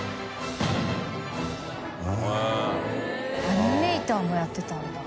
アニメーターもやってたんだ。